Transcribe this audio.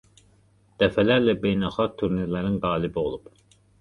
Dəfələrlə beynəlxalq turnirlərin qalibi olub.